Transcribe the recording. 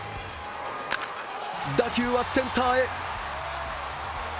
打球はセンターへ。